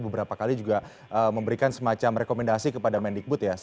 beberapa kali juga memberikan semacam rekomendasi kepada kemendekbu